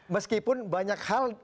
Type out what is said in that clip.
meskipun banyak hal